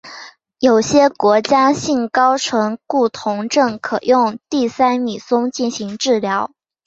有些家族性高醛固酮症可用地塞米松进行治疗。